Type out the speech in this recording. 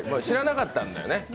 知らなかったんだよね？